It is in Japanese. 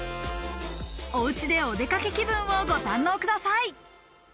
おうちでお出かけ気分をご堪能ください。